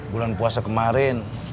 bulan puasa kemarin